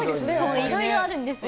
いろいろあるんですよ。